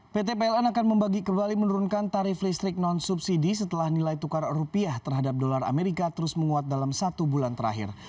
pt pln akan membagi kembali menurunkan tarif listrik non subsidi setelah nilai tukar rupiah terhadap dolar amerika terus menguat dalam satu bulan terakhir